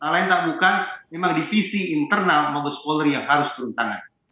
lain tak bukan memang divisi internal mabes polri yang harus turun tangan